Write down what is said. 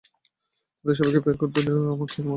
তাদের সাবাইকে বের করে দেওয়া কী আমার কাজ?